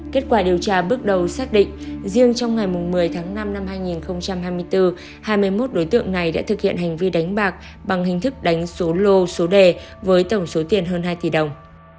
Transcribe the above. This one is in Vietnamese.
kết quả điều tra bước đầu xác định riêng trong ngày một mươi tháng năm năm hai nghìn hai mươi bốn hai mươi một đối tượng này đã thực hiện hành vi đánh bạc bằng hình thức đánh số lô số đề với tổng số tiền hơn hai tỷ đồng